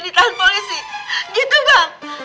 ditahan polisi gitu bang